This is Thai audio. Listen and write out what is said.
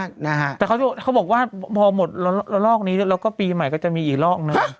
คนจะบอกว่าพอหมดรอกนี้แล้วปีใหม่ก็จะอีกรอก